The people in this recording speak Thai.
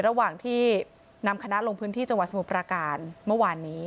ระหว่างที่นำคณะลงพื้นที่จังหวัดสมุทรประการเมื่อวานนี้